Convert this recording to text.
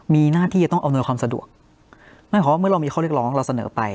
มีหน้าที่จะต้องเอาเนื้อความสะดวกไม่คอเมื่อเรามีข้อเรียกร้องเราเสนอไป